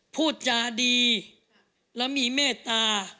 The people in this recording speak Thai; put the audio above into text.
พูดจาดีและมีเมตตา